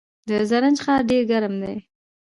د زرنج ښار ډیر ګرم دی